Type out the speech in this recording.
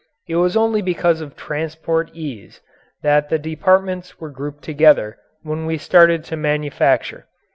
It was only because of transport ease that the departments were grouped together when we started to manufacture.